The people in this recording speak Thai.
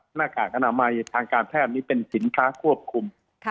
หน้ากากกำหน่าไมทางการแทรภ์นี้เป็นสินค้าครอบคุม